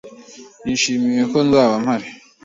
Nishimiye ko ntazaba mpari.